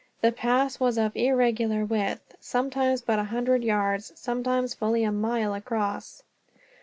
The pass was of irregular width, sometimes but a hundred yards, sometimes fully a mile across.